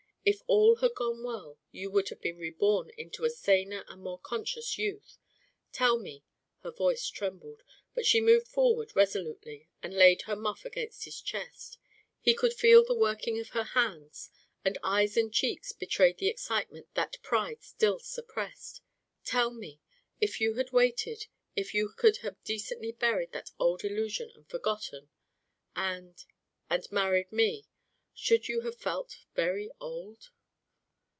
If all had gone well, you would have been reborn into a saner and more conscious youth. Tell me " Her voice trembled, but she moved forward resolutely and laid her muff against his chest; he could feel the working of her hands, and eyes and cheeks betrayed the excitement that pride still suppressed. "Tell me, if you had waited, if you could have decently buried that old illusion and forgotten and and married me, should you have felt very old?"